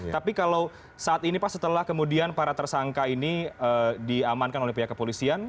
tapi kalau saat ini pak setelah kemudian para tersangka ini diamankan oleh pihak kepolisian